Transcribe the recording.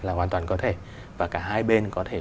là hoàn toàn có thể và cả hai bên có thể